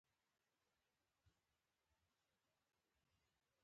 زه پنځه څلوېښت ورځې وروسته د خپلې کورنۍ سره یم.